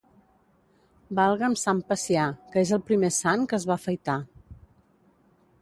Valga'm sant Pacià, que és el primer sant que es va afaitar.